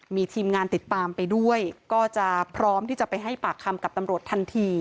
มีทีมงานติดตามไปด้วยก็จะพร้อมที่จะไปให้ปากคำกับตำรวจทันที